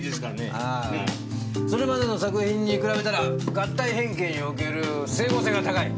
ああそれまでの作品に比べたら合体変形における整合性が高い。